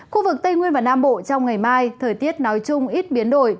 khu vực tây nguyên và nam bộ trong ngày mai thời tiết nói chung ít biến đổi